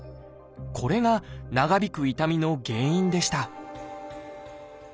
これが長引く痛みの原因でした